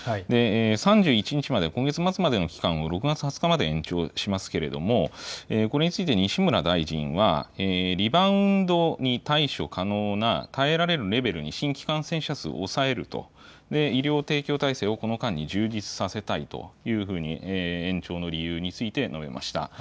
３１日まで、今月末までの期間を６月２０日まで延長しますけれども、これについて西村大臣は、リバウンドに対処可能な耐えられるレベルに新規感染者数を抑えると、医療提供体制をこの間に充実させたいというふうに延長の理由について述べました。